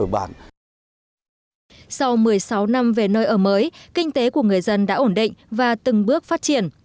sau một mươi sáu năm về nơi ở mới kinh tế của người dân đã ổn định và từng bước phát triển